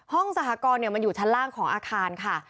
ห้องสหกรณ์เนี่ยมันอยู่ชั้นล่างของอาคารค่ะ